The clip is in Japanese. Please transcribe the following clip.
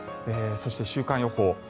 そして、週間予報。